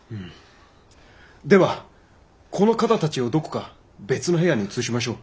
ではこの方たちをどこか別の部屋に移しましょう。